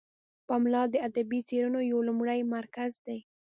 پملا د ادبي څیړنو یو لومړی مرکز دی.